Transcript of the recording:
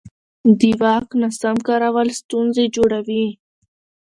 د واک ناسم کارول ستونزې جوړوي